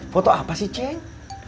foto apa sih ceng